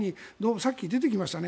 さっき出てきましたね。